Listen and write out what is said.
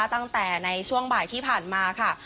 ตั้งแต่ในช่วงบ่ายที่ผ่านมาค่ะ